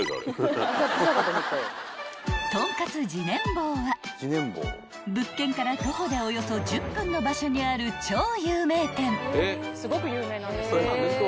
［とんかつ自然坊は物件から徒歩でおよそ１０分の場所にある超有名店］